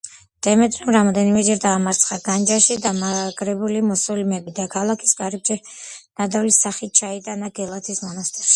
დემეტრემ რამდენიმეჯერ დაამარცხა განჯაში გამაგრებული მუსლიმები და ქალაქის კარიბჭე ნადავლის სახით ჩაიტანა გელათის მონასტერში.